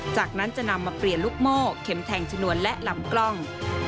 จากนั้นจะนำมาเปลี่ยนลูกโม่เข็มแทงชนวนและลำกล้อง